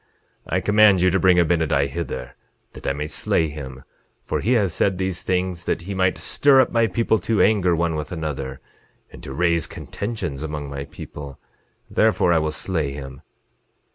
11:28 I command you to bring Abinadi hither, that I may slay him, for he has said these things that he might stir up my people to anger one with another, and to raise contentions among my people; therefore I will slay him.